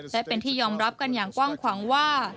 และเป็นที่ยอมรับกันอย่างกว้างขวางว่า